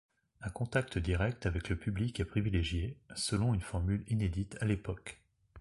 Un contact direct avec le public est privilégié, selon une formule inédite à l'époque.